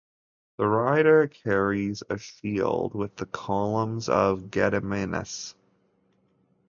The rider carries a shield with the columns of Gediminas.